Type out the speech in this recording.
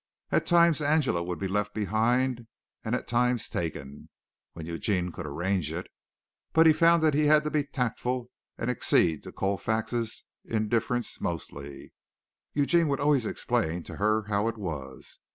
At times Angela would be left behind, at times taken, when Eugene could arrange it; but he found that he had to be tactful and accede to Colfax's indifference mostly. Eugene would always explain to her how it was.